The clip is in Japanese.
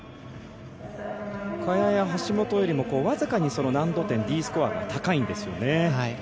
萱や橋本よりもわずかに難度点、Ｄスコアが高いんですよね。